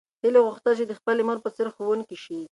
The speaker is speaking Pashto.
هیلې غوښتل چې د خپلې مور په څېر ښوونکې شي.